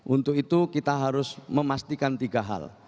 untuk itu kita harus memastikan tiga hal